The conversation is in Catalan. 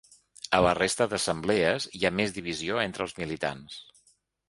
A la resta d’assemblees, hi ha més divisió entre els militants.